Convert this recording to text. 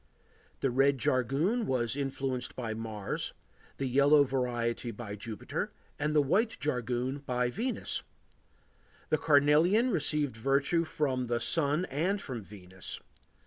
The red jargoon was influenced by Mars, the yellow variety by Jupiter and the white jargoon by Venus. The carnelian received virtue from the Sun and from Venus.